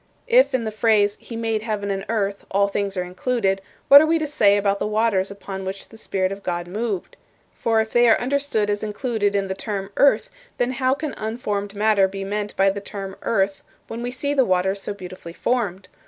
If in the phrase 'He made heaven and earth' all things are included, what are we to say about the waters upon which the Spirit of God moved? For if they are understood as included in the term 'earth,' then how can unformed matter be meant by the term 'earth' when we see the waters so beautifully formed?